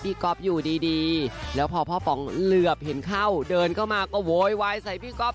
ก๊อฟอยู่ดีแล้วพอพ่อป๋องเหลือบเห็นเข้าเดินเข้ามาก็โวยวายใส่พี่ก๊อฟ